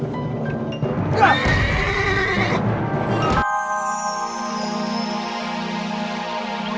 tinggal masih urus realmu